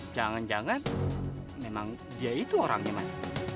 jangan jangan memang dia itu orangnya mas